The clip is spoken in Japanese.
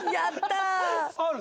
ある？